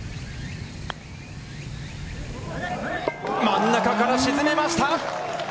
真ん中から沈めました！